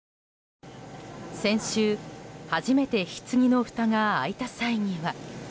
先週、初めてひつぎのふたが開いた際には。